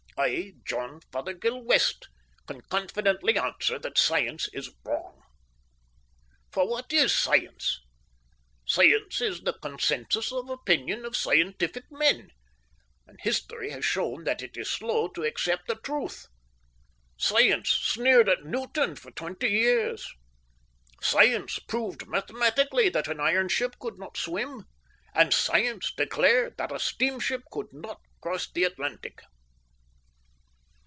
I, John Fothergill West, can confidently answer that science is wrong. For what is science? Science is the consensus of opinion of scientific men, and history has shown that it is slow to accept a truth. Science sneered at Newton for twenty years. Science proved mathematically that an iron ship could not swim, and science declared that a steamship could not cross the Atlantic.